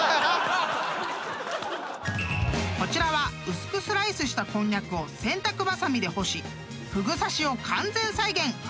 ［こちらは薄くスライスしたこんにゃくを洗濯ばさみで干しフグ刺しを完全再現！］